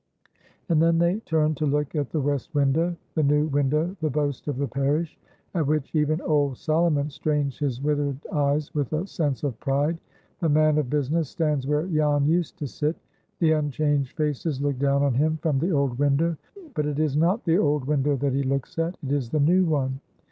And then they turn to look at the west window,—the new window, the boast of the parish,—at which even old Solomon strains his withered eyes with a sense of pride. The man of business stands where Jan used to sit. The unchanged faces look down on him from the old window. But it is not the old window that he looks at, it is the new one.